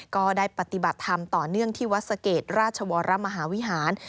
ก็ได้ปฏิบัติทำต่อเนื่องที่วัศเกตราชวรรมมหาวิหาร